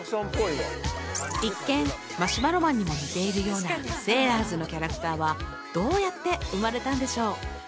一見マシュマロマンにも似ているようなセーラーズのキャラクターはどうやって生まれたんでしょう？